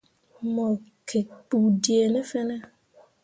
Mo gikki kpu dee ne fene.